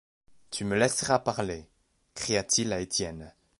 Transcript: Tu me laisseras parler! cria-t-il à Étienne.